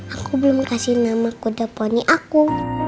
aku belum kasih nama kuda poni aku